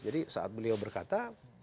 jadi saat beliau berkata